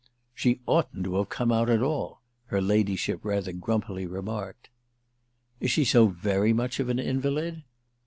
"She oughtn't to have come out at all," her ladyship rather grumpily remarked. "Is she so very much of an invalid?"